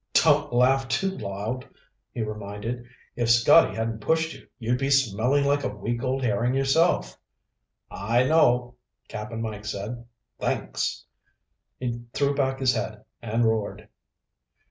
"Don't laugh too loud," he reminded. "If Scotty hadn't pushed you, you'd be smelling like a week old herring yourself." "I know," Cap'n Mike said. "Thanks." He threw back his head and roared.